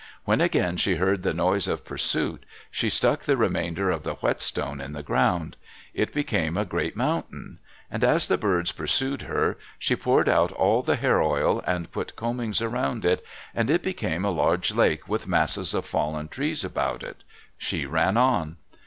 When again she heard the noise of pursuit, she stuck the remainder of the whetstone in the ground. It became a great mountain. And as the birds pursued her, she poured out all the hair oil, and put combings around it, and it became a large lake with masses of fallen trees about it. She ran on.